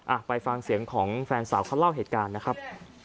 อ่ะไปฟังเสียงของแฟนสาวเขาเล่าเหตุการณ์นะครับ